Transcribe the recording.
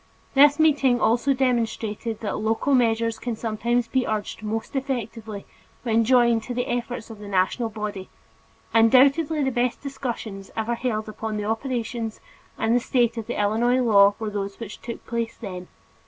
This meeting also demonstrated that local measures can sometimes be urged most effectively when joined to the efforts of a national body. Undoubtedly the best discussions ever held upon the operation and status of the Illinois law were those which took place then.